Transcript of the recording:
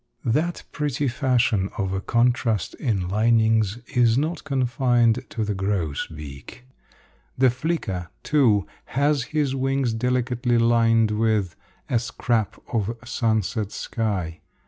That pretty fashion of a contrast in linings is not confined to the grosbeak. The flicker, too, has his wings delicately lined with a scrap of sunset sky.